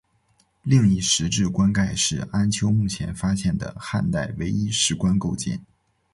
另一石质棺盖是安岳目前发现的汉代唯一石棺构件。